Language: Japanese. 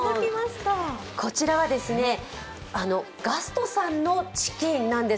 こちらはガストさんのチキンなんです。